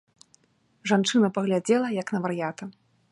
Жанчына паглядзела, як на вар'ята.